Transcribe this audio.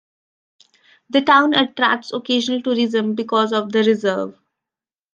The town attracts occasional tourism because of the reserve.